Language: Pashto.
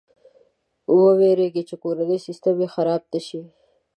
ویرېږي چې کورنی سیسټم یې خراب نه شي.